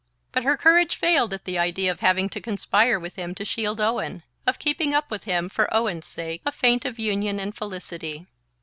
But her courage failed at the idea of having to conspire with him to shield Owen, of keeping up with him, for Owen's sake, a feint of union and felicity.